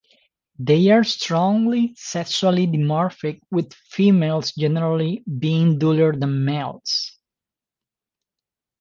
They are strongly sexually dimorphic, with females generally being duller than males.